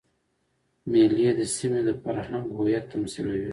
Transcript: مېلې د سیمي د فرهنګ هویت تمثیلوي.